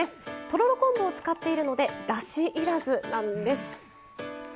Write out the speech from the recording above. とろろ昆布を使っているのでだしいらずなんです。